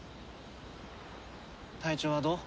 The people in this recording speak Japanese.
体調はどう？